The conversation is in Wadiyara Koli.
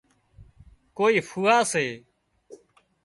ڪوئي ڦوئا سي